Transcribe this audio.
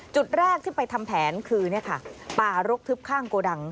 จุดแรกที่ไปทำแผนคือป่ารกทึบข้างโกดัง